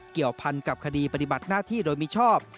เกี่ยวพันกับคดีปฏิบัติหน้าที่โดยมิชอบ